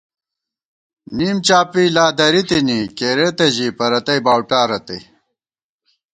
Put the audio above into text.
نِم چاپی لا درِتِنی کېرېتہ ژی پرَتئ باؤٹا رتئ